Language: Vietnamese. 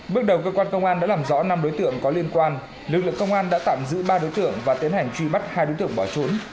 bước đầu cơ quan công an đã làm rõ năm đối tượng có liên quan lực lượng công an đã tạm giữ ba đối tượng và tiến hành truy bắt hai đối tượng bỏ trốn